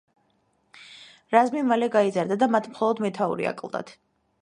რაზმი მალე გაიზარდა და მათ მხოლოდ მეთაური აკლდათ.